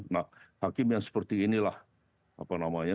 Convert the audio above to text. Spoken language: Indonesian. nah hakim yang seperti inilah apa namanya